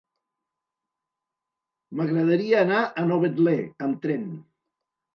M'agradaria anar a Novetlè amb tren.